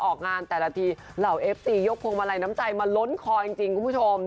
ออกงานแต่ละทีเหล่าเอฟซียกพวงมาลัยน้ำใจมาล้นคอจริงคุณผู้ชม